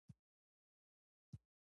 فلم د ولس د غږ ژباړه ده